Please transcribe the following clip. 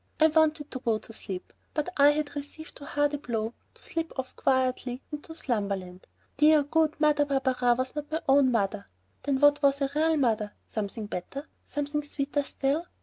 I wanted to go to sleep, but I had received too hard a blow to slip off quietly into slumberland. Dear good Mother Barberin was not my own mother! Then what was a real mother? Something better, something sweeter still?